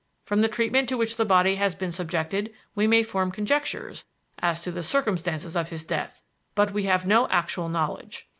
From the treatment to which the body has been subjected we may form conjectures as to the circumstances of his death. But we have no actual knowledge.